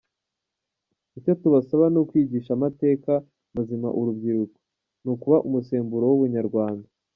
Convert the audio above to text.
Icyo tubasaba ni ukwigisha amateka mazima urubyiruko, ni ukuba umusemburo w’ubunyarwanda.